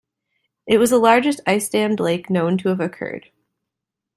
It was the largest ice-dammed lake known to have occurred.